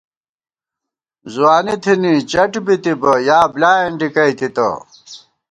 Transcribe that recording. ځوانی تھنی چَٹ بِتِبہ ، یا بۡلیائېن ڈِکَئیتِتہ